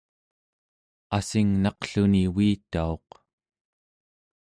assingnaqluni uitauq